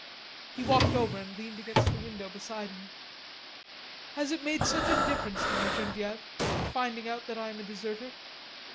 He walked over and leaned against the window beside her. "Has it made such a difference to you, Genevieve, finding out that I am a deserter?"